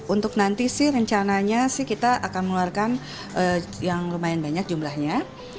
untuk nanti sih rencananya sih kita akan mengeluarkan yang lumayan banyak jumlahnya